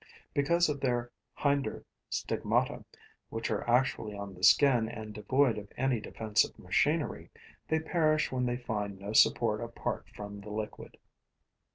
Because of their hinder stigmata, which are actually on the skin and devoid of any defensive machinery, they perish when they find no support apart from the liquid.